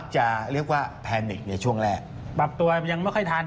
ใช่เพราะเขาบอกว่าอย่างนี้ครับ